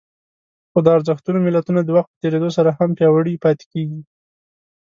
خو د ارزښتونو ملتونه د وخت په تېرېدو سره هم پياوړي پاتې کېږي.